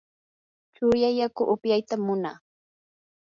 chuya yaku upyaytam munaa.